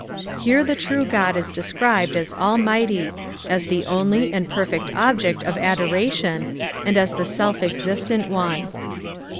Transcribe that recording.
Here the true God is described as Almichty, as the only and perfect object of adoration and as the self ex.istent One.